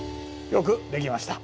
よくできました。